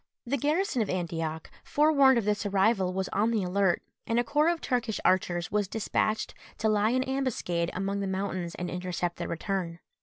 The garrison of Antioch, forewarned of this arrival, was on the alert, and a corps of Turkish archers was despatched to lie in ambuscade among the mountains and intercept their return.